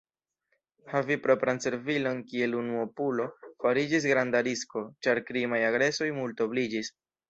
Havi propran servilon kiel unuopulo fariĝis granda risko, ĉar krimaj agresoj multobliĝis.